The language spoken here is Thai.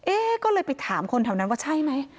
ก็เลยไปถามคนแถวนั้นว่าใช่ไหม